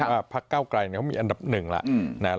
ว่าภาคเก้ากลายเขามีอันดับหนึ่งแล้ว